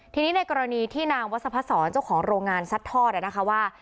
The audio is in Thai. ทีนี้ในกรณีที่นางวัสพศรเจ้าของโรงงานซัดทอดนะคะว่า